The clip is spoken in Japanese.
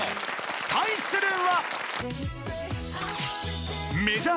［対するは］